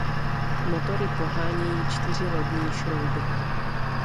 Motory pohánějí čtyři lodní šrouby.